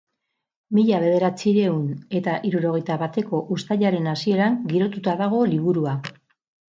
Mila bederatziehun eta hirurogeita bateko uztailaren hasieran girotuta dago liburua.